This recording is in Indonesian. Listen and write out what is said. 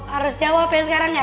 harus jawab ya sekarang ya